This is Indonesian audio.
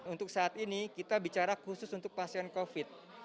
untuk saat ini kita bicara khusus untuk pasien covid